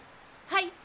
はい！